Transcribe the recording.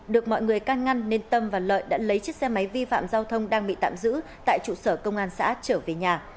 được mọi người can ngăn nên tâm và lợi đã lấy chiếc xe máy vi phạm giao thông đang bị tạm giữ tại trụ sở công an xã trở về nhà